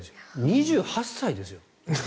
２８歳ですよ。